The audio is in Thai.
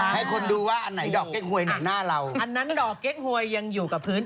ให้คนดูว่าอันไหนดอกเก๊กหวยไหนหน้าเราอันนั้นดอกเก๊กหวยยังอยู่กับพื้น